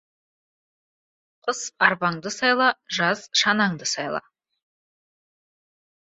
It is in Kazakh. Қыс арбаңды сайла, жаз шанаңды сайла.